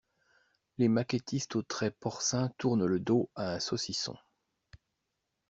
Les maquettistes aux traits porcins tournent le dos à un saucisson.